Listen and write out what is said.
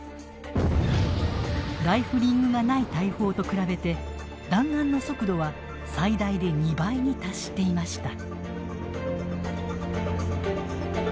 ライフリングがない大砲と比べて弾丸の速度は最大で２倍に達していました。